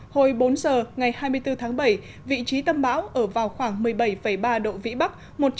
hồi bốn giờ ngày hai mươi bốn tháng bảy vị trí tâm bão ở vào khoảng một mươi bảy ba độ vĩ bắc